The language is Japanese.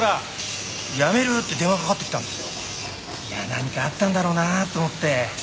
何かあったんだろうなと思って。